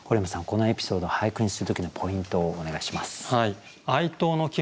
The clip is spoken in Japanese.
このエピソード俳句にする時のポイントをお願いします。